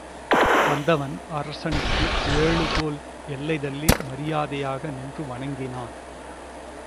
வந்தவன் அரசனுக்கு ஏழுகோல் எல்லை தள்ளி மரியாதையாக நின்று வணங்கினான்.